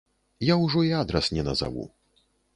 Я ўжо і адрас не назаву.